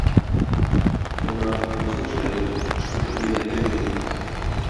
Ярар, монысын эшләрбез, эш кушып йөдәтер инде ул.